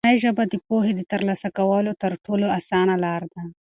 مورنۍ ژبه د پوهې د ترلاسه کولو تر ټولو اسانه لاره ده.